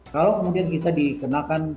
kalau kemudian kita dikenakan